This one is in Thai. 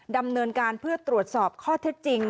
ดำเนินการเพื่อตรวจสอบข้อเท็จจริง